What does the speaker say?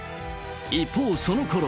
一方、そのころ。